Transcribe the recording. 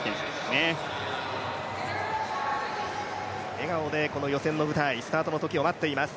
笑顔で予選の舞台、スタートの時を待っています。